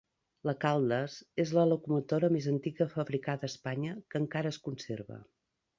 La Caldes és la locomotora més antiga fabricada a Espanya que encara es conserva.